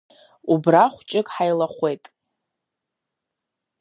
Уыбра хәҷык ҳаилахәет.